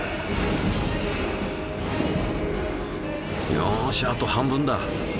よしあと半分だ。